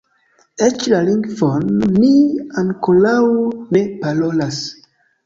Eĉ la lingvon mi ankoraŭ ne parolas.